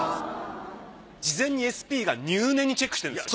事前にＳＰが入念にチェックしてるんですよ。